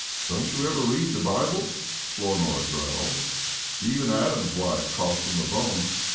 "Don't you ever read the Bible?" Flournoy growled. "Even Adam's wife cost him a bone."